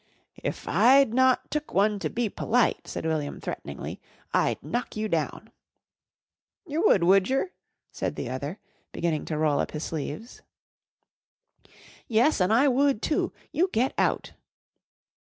"If I'd not took one to be p'lite," said William threateningly, "I'd knock you down." "Yer would, would yer?" said the other, beginning to roll up his sleeves. "Yes, an' I would, too. You get out."